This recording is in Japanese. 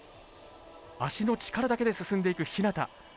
足の力だけで進んでいく日向。